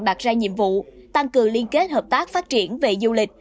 đặt ra nhiệm vụ tăng cường liên kết hợp tác phát triển về du lịch